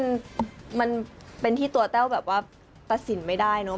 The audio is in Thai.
มันมันเป็นที่ตัวแต้วแบบว่าตัดสินไม่ได้เนอะ